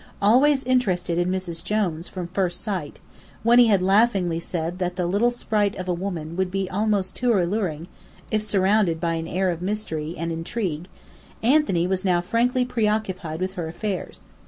Always interested in "Mrs. Jones," from first sight, when he had laughingly said that the "little sprite of a woman" would be almost too alluring if surrounded by an atmosphere of mystery and intrigue, Anthony was now frankly preoccupied with her affairs.